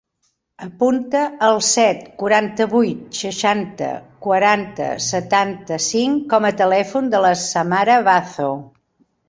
Apunta el set, quaranta-vuit, seixanta, quaranta, setanta-cinc com a telèfon de la Samara Bazo.